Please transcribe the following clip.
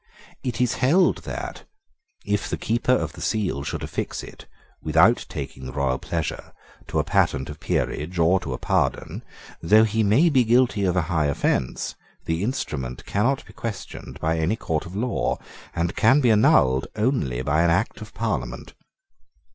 It is held that, if the Keeper of the Seal should affix it, without taking the royal pleasure, to a patent of peerage or to a pardon, though he may be guilty of a high offence, the instrument cannot be questioned by any court of law, and can be annulled only by an Act of Parliament.